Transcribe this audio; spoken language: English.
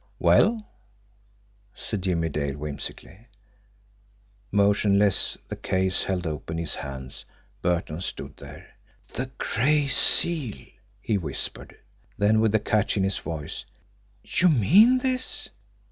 "Well?" said Jimmie Dale whimsically. Motionless, the case held open in his hands, Burton stood there. "The Gray Seal!" he whispered. Then, with a catch in his voice: "You mean this?